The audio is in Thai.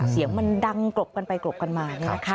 เสียงมันดังกลบกันไปกลบกันมา